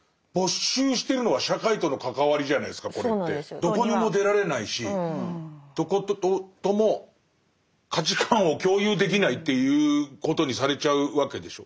どこにも出られないしどことも価値観を共有できないということにされちゃうわけでしょ。